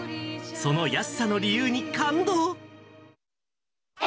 その安さの理由に感動。